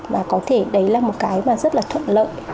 và có thể đấy là một cái mà rất là thuận lợi